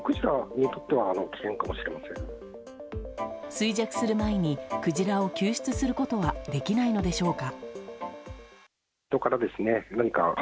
衰弱する前にクジラを救出することはできないのでしょうか。